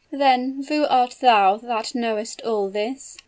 "Then, who art thou that knowest all this?"